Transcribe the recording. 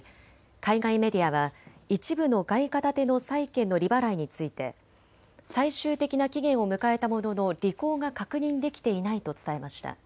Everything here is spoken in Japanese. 海外メディアは一部の外貨建ての債券の利払いについて最終的な期限を迎えたものの履行が確認できていないと伝えました。